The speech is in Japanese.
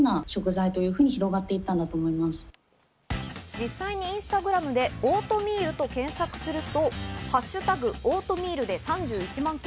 実際にインスタグラムで「オートミール」と検索すると、「＃オートミール」で３１万件。